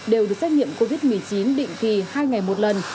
đều được xét nghiệm covid một mươi chín định kỳ hai ngày một lần